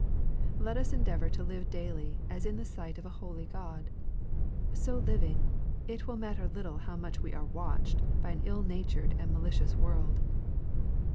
Let us endeavor to live daily as in the sight of a holy God. So living, it will matter little how much we are " watched" by an ill natured and malicious world.